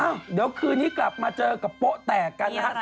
เดี๋ยวคืนนี้กลับมาเจอกับโป๊ะแตกกันนะฮะ